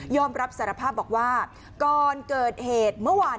รับสารภาพบอกว่าก่อนเกิดเหตุเมื่อวาน